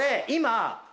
今。